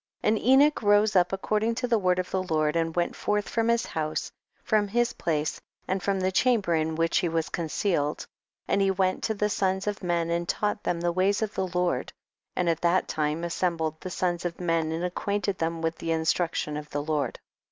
5. And Enoch rose up according to the word of the Lord, and went forth from his house, from his place and from the chamber in which he was concealed ; and he went to the sons of men and taught them the ways of the Lord, and at that time assembled the sons of men and ac quainted them with the instruction of the Lord.